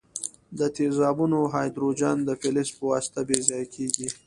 د تیزابونو هایدروجن د فلز په واسطه بې ځایه کیږي.